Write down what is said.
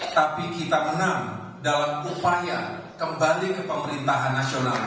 tapi kita menang dalam upaya kembali ke pemerintahan nasional